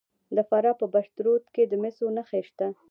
د فراه په پشت رود کې د مسو نښې شته.